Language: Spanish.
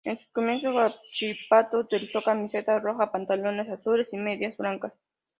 En sus comienzos Huachipato utilizó camiseta roja, pantalones azules y medias blancas.